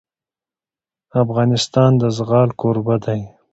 افغانستان د زغال کوربه دی.